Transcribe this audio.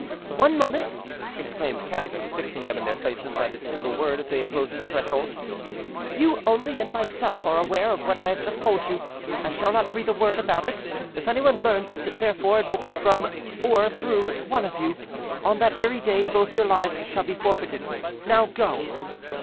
"One moment!" exclaimed Catherine, fixing them in their places by this single word as they approached the threshold. "You only and myself are aware of what I have just told you; I shall not breathe a word about it; if any one learns it, therefore, it will be from or through one of you; on that very day both your lives shall be forfeited. Now, go!"